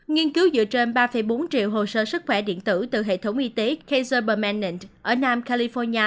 nghiên cứu dựa trên ba bốn triệu hồ sơ sức khỏe điện tử từ hệ thống y tế ksjbermaning ở nam california